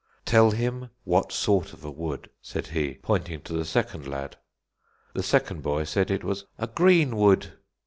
"Tell him what sort of a wood," said he, pointing to the second lad. The second boy said it was a "green wood."